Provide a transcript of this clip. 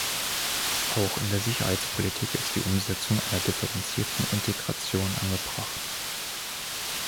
Auch in der Sicherheitspolitik ist die Umsetzung einer differenzierten Integration angebracht.